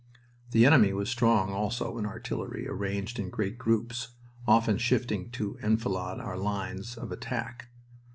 The enemy was strong also in artillery arranged in great groups, often shifting to enfilade our lines of attack.